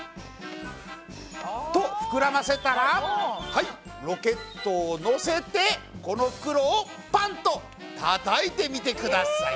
と膨らませたらはいロケットをのせてこの袋をパンとたたいてみてください。